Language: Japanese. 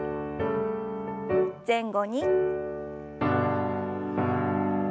前後に。